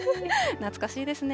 懐かしいですね。